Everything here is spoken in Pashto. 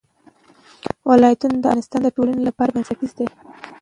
ولایتونه د افغانستان د ټولنې لپاره بنسټیز دي.